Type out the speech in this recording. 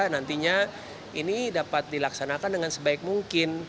nantinya ini dapat dilaksanakan dengan sebaik mungkin